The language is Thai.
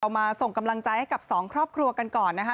เรามาส่งกำลังใจให้กับ๒ครอบครัวกันก่อนนะครับ